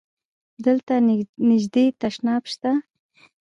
دلته نژدی تشناب شته؟